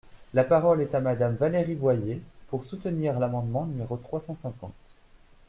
La parole est à Madame Valérie Boyer, pour soutenir l’amendement numéro trois cent cinquante.